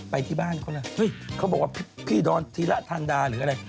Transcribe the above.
ไปที่บ้านเขาเลยเขาบอกว่าพี่ดอนธีระธันดาหรืออะไร